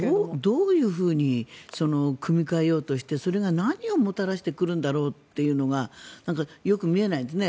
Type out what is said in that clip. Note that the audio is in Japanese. どういうふうに組み替えようとしてそれが何をもたらしてくるんだろうというのがよく見えないですね。